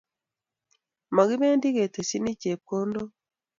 Mokibendi ketesyini chepkondook.